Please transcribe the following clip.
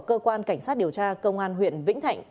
cơ quan cảnh sát điều tra công an huyện vĩnh thạnh